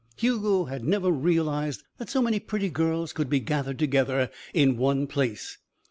Hugo had never realized that so many pretty girls could be gathered together in one place.